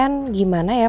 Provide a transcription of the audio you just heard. kamu tuh kamu bisa jatuh